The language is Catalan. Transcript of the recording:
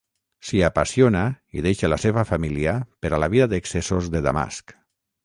S'hi apassiona i deixa la seva família per a la vida d'excessos de Damasc.